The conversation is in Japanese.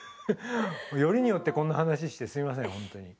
よりによってこんな話してすいませんほんとに。